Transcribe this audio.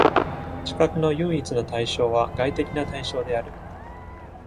知覚の唯一の対象は、外的な対象である。